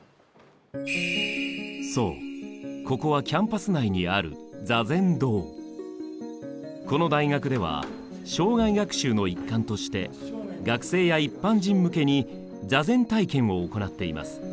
そうここはキャンパス内にあるこの大学では生涯学習の一環として学生や一般人向けに座禅体験を行っています。